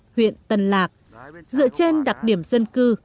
huyện tân lạc dựa trên đặc điểm dân cư